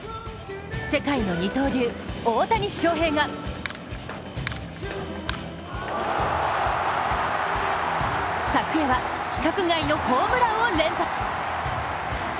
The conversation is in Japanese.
世界の二刀流・大谷翔平が昨夜は規格外のホームランを連発。